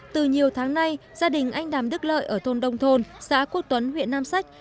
từ nhiều tháng nay gia đình anh đàm đức lợi ở thôn đông thôn xã quốc tuấn huyện nam sách